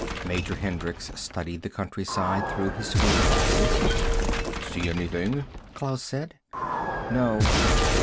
Major Hendricks studied the countryside through his fieldglasses. "See anything?" Klaus said. "No."